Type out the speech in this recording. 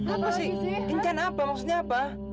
apa sih incan apa maksudnya apa